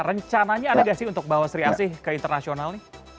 rencananya ada sih untuk bawa sri asih ke internasional